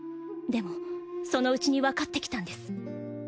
でもそのうちにわかってきたんです。